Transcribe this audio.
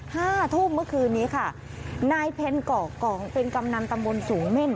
ห้าทุ่มเมื่อคืนนี้ค่ะนายเพ็ญก่อกองเป็นกำนันตำบลสูงเม่น